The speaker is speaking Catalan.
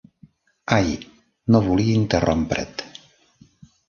Ai, no volia interrompre't!